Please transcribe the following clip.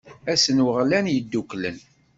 Ass n waɣlan yedduklen.